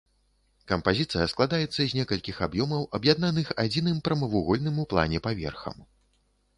Кампазіцыя складаецца з некалькіх аб'ёмаў, аб'яднаных адзіным прамавугольным у плане паверхам.